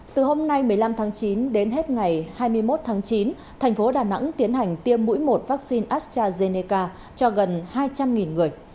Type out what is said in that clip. từ hôm nay một mươi năm tháng chín đến hết ngày hai mươi một tháng chín thành phố đà nẵng tiến hành tiêm mũi một vaccine astrazeneca cho gần hai trăm linh người